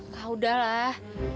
kak udah lah